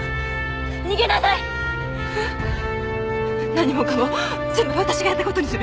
何もかも全部私がやった事にする。